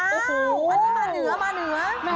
อันนี้มาเหนือ